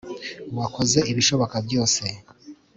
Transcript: wakoze ibishoboka byose